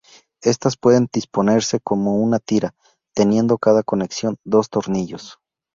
Estas pueden disponerse como una tira, teniendo cada conexión dos tornillos.